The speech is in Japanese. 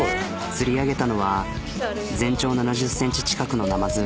釣り上げたのは全長７０ｃｍ近くのナマズ。